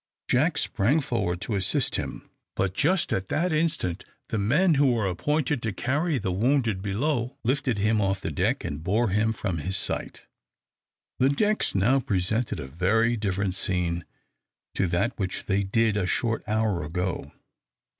Jack sprang forward to assist him, but just at that instant the men who were appointed to carry the wounded below, lifted him off the deck, and bore him from his sight. The decks now presented a very different scene to that which they did a short hour ago.